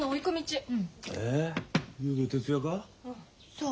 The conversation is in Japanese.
そう。